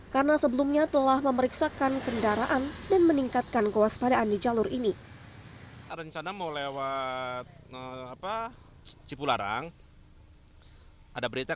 karena sebelumnya telah memeriksakan kendaraan dan meningkatkan kewaspadaan di jalur ini